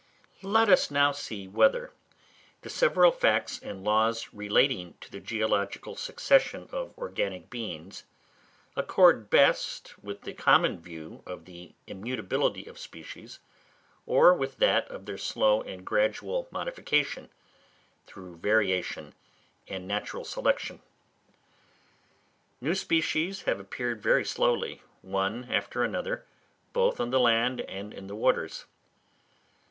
Let us now see whether the several facts and laws relating to the geological succession of organic beings accord best with the common view of the immutability of species, or with that of their slow and gradual modification, through variation and natural selection. New species have appeared very slowly, one after another, both on the land and in the waters.